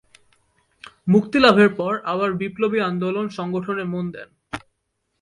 মুক্তিলাভের পর আবার বিপ্লবী আন্দোলন সংগঠনে মন দেন।